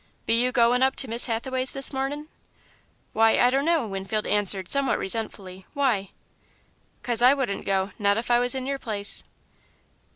"Be you goin' up to Miss Hathaway's this mornin'?" "Why, I don't know," Winfield answered somewhat resentfully, "why?" "'Cause I wouldn't go not if I was in your place."